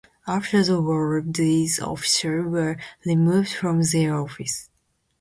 After the war these officers were removed from their offices.